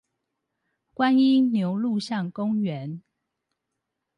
觀音牛路巷公園